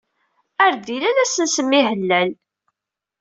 Ar d-ilal ad s-nsemmi Hlal.